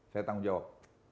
saya tanggung jawab